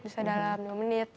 bisa dalam dua menit